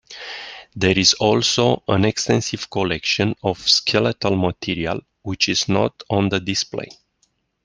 There is also an extensive collection of skeletal material, which is not on display.